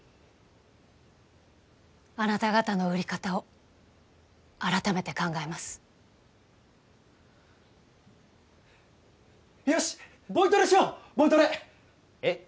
あなた方の売り方を改めて考えますよしボイトレしようボイトレえっ